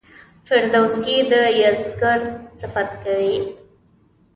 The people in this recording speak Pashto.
فردوسي د یزدګُرد صفت کوي.